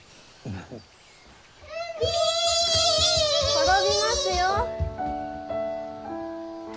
転びますよ！